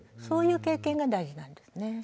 そういう経験が大事なんですね。